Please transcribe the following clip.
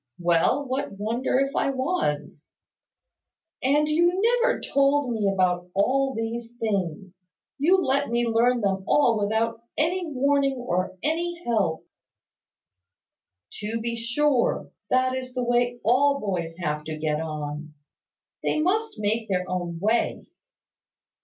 "Well, what wonder if I was?" "And you never told me about all these things. You let me learn them all without any warning, or any help." "To be sure. That is the way all boys have to get on. They must make their own way."